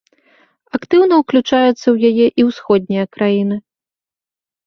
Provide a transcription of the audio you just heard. Актыўна ўключаюцца ў яе і ўсходнія краіны.